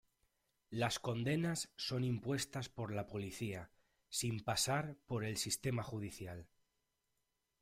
Las condenas son impuestas por la policía, sin pasar por el sistema judicial.